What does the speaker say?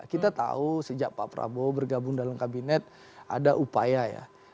kita tahu sejak pak prabowo bergabung dalam kabinet ada upaya ya